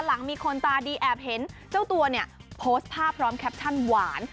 หลังมีคนตาดีแอบเห็นเจ้าตัวเนี่ยโพสต์ภาพพร้อมแคปชั่นหวาน